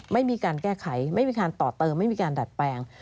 ไม่มีการแก้ไขไม่มีการต่อเติมไม่มีการดัดแปลง